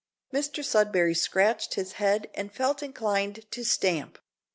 Mr Sudberry scratched his head and felt inclined to stamp.